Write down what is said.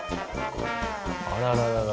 あらららら。